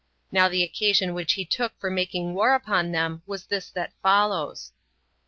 Now the occasion which he took for making war upon them was this that follows: 2.